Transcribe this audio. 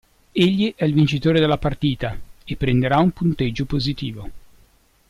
Egli è il vincitore della partita e prenderà un punteggio positivo.